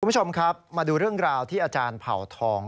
คุณผู้ชมครับมาดูเรื่องราวที่อาจารย์เผ่าทอง